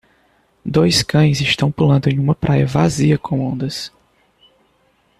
Dois cães estão pulando em uma praia vazia com ondas.